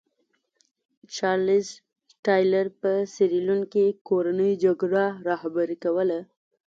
چارلېز ټایلر په سیریلیون کې کورنۍ جګړه رهبري کوله.